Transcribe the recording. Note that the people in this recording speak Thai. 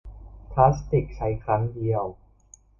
พลาสติกใช้ครั้งเดียว